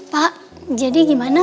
pak jadi gimana